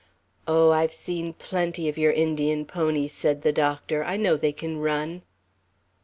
"Oh, I've seen plenty of your Indian ponies," said the doctor. "I know they can run."